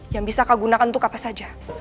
yang bisa kau gunakan untuk apa saja